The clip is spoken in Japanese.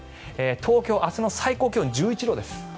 東京、明日の最高気温１１度です。